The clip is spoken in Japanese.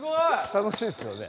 楽しいですよね。